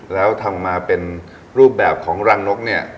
แล้วทำมาเป็นรูปแบบของรังนกเนี่ย